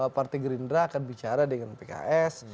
partai gerindra akan bicara dengan pks